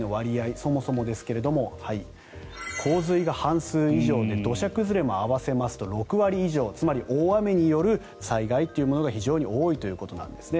そもそもですけれども洪水が半数以上で土砂崩れも合わせますと６割以上つまり大雨による災害というのが非常に多いということなんですね。